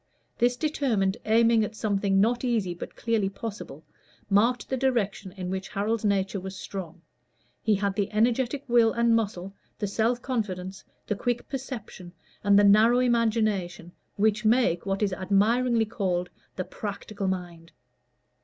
This determined aiming at something not easy but clearly possible, marked the direction in which Harold's nature was strong; he had the energetic will and muscle, the self confidence, the quick perception, and the narrow imagination which make what is admiringly called the practical mind.